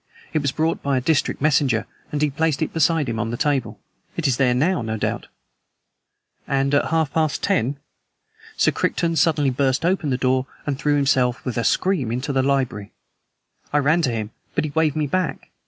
It was brought by a district messenger, and he placed it beside him on the table. It is there now, no doubt." "And at half past ten?" "Sir Crichton suddenly burst open the door and threw himself, with a scream, into the library. I ran to him but he waved me back.